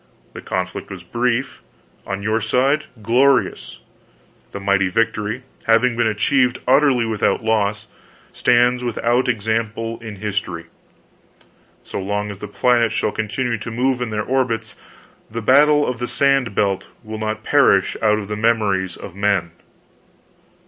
The conflict was brief; on your side, glorious. This mighty victory, having been achieved utterly without loss, stands without example in history. So long as the planets shall continue to move in their orbits, the Battle Of The Sand Belt will not perish out of the memories of men.